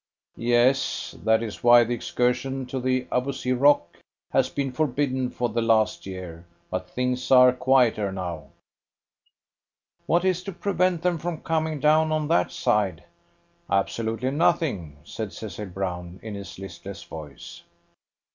"Yes. That is why the excursion to the Abousir Rock has been forbidden for the last year. But things are quieter now." "What is to prevent them from coming down on that side?" "Absolutely nothing," said Cecil Brown, in his listless voice.